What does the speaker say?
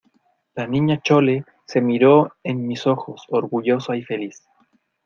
la Niña Chole se miró en mis ojos, orgullosa y feliz: